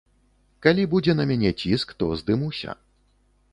Калі будзе на мяне ціск, то здымуся.